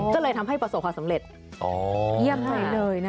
ก็เลยทำให้ประสบความสำเร็จเยี่ยมไปเลยนะคะ